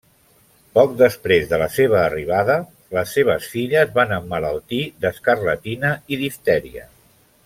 Poc després de la seva arribada, les seves filles van emmalaltir d'escarlatina i diftèria.